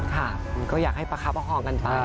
ค่ะก็อยากให้ประคับประคองกันไป